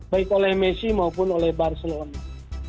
baik oleh messi maupun oleh barcelona